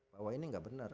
bahwa ini gak benar